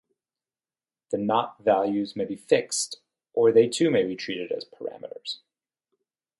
The knot values may be fixed or they too may be treated as parameters.